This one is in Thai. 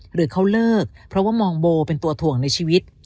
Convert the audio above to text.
หรือเขาเลิกเพราะว่ามองโบเป็นตัวถ่วงในชีวิต